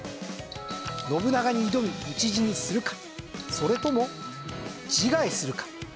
信長に挑み討ち死にするかそれとも自害するか。